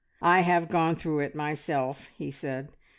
"I have gone through it myself," he said.